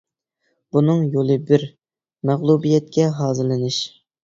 بۇنىڭ يولى بىر : مەغلۇبىيەتكە ھازىرلىنىش.